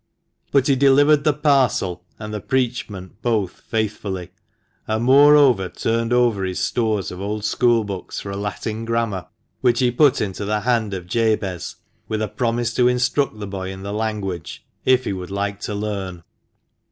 But he delivered the parcel and the " preachment " both faithfully, and, moreover, turned over his stores of old school books for a Latin grammar, which he put into the hand of 86 THE MANCHESTER MAN. Jabez, with a promise to instruct the boy in the language, if he would like to learn.